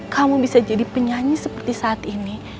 kamu bisa jadi penyanyi seperti saat ini